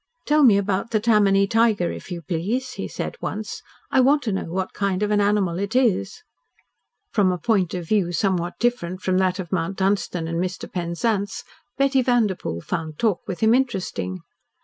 "Tell me about the Tammany Tiger, if you please," he said once. "I want to know what kind of an animal it is." From a point of view somewhat different from that of Mount Dunstan and Mr. Penzance, Betty Vanderpoel found talk with him interesting.